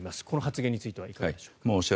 この発言についてはいかがでしょう。